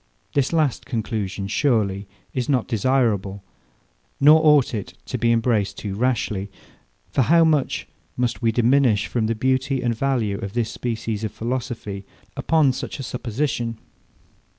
This last conclusion, surely, is not desirable; nor ought it to be embraced too rashly. For how much must we diminish from the beauty and value of this species of philosophy, upon such a supposition?